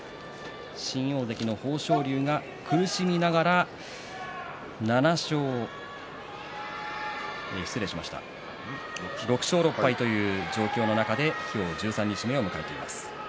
新大関の豊昇龍が苦しみながら６勝６敗という状況の中で今日、十三日目を迎えています。